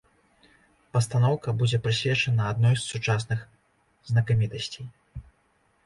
Пастаноўка будзе прысвечана адной з сучасных знакамітасцей.